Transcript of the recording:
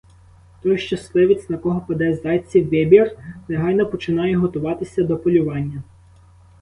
Той щасливець, на кого паде зайців вибір, негайно починає готуватися до полювання.